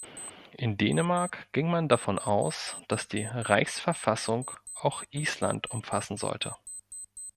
In Dänemark ging man davon aus, dass die Reichsverfassung auch Island umfassen sollte.